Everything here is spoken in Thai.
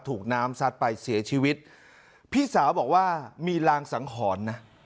ถูกน้ำซัดไปเสียชีวิตพี่สาวบอกว่ามีรางสังหรณ์นะ